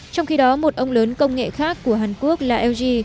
trong khi đó một ông lớn công nghệ khác của hàn quốc là lg